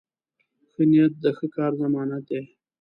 ښه نیت د ښه کار ضمانت دی.